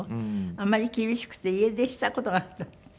あまり厳しくて家出した事があったんですって？